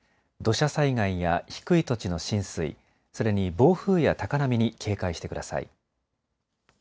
土砂災害や低い土地の浸水、それに暴風や高波に警戒してください。